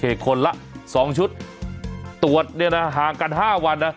คนละ๒ชุดตรวจเนี่ยนะห่างกัน๕วันนะ